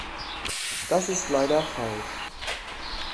Das ist leider falsch.